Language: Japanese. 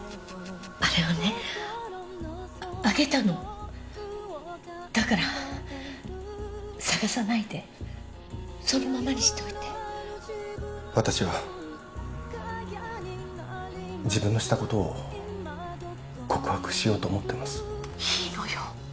あれはねあげたのだから捜さないでそのままにしといて私は自分のしたことを告白しようと思ってますいいのよ